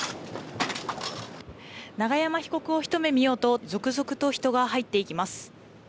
永山被告をひと目見ようと続々と人が入っていきます。